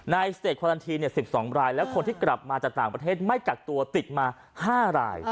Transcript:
สเตจควารันที๑๒รายแล้วคนที่กลับมาจากต่างประเทศไม่กักตัวติดมา๕ราย